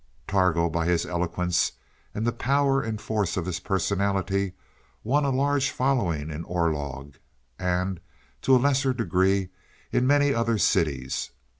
"Targo, by his eloquence, and the power and force of his personality, won a large following in Orlog, and to a lesser degree in many other cities.